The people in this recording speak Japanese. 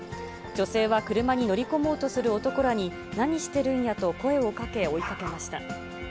女性は車に乗り込もうとする男らに、何してるんやと声をかけ、追いかけました。